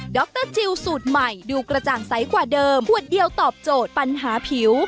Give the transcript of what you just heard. รจิลสูตรใหม่ดูกระจ่างใสกว่าเดิมขวดเดียวตอบโจทย์ปัญหาผิว